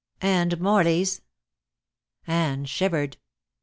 "And Morley's." Anne shivered.